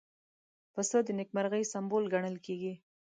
پسه د نېکمرغۍ سمبول ګڼل کېږي.